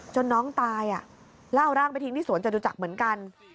น้องตายแล้วเอาร่างไปทิ้งที่สวนจตุจักรเหมือนกัน